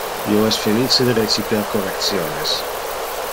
Io es felice de reciper correctiones.